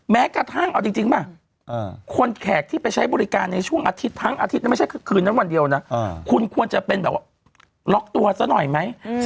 แม้กระทั่งเอาจริงป่ะคนแขกที่ไปใช้บริการในช่วงอาทิตย์ทั้งอาทิตย์นั้นไม่ใช่คือคืนนั้นวันเดียวนะคุณควรจะเป็นแบบว่าล็อกตัวซะหน่อยไหม